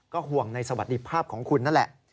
ห่วงในสวัสดิภาพของคุณนั่นแหละ